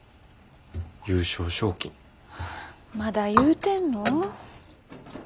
優勝賞金。はあまだ言うてんの？